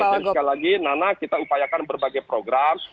dan sekali lagi nana kita upayakan berbagai program